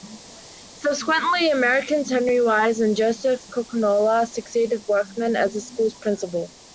Subsequently, Americans Henry Wise and Joseph Coconower succeeded Workman as the school's principal.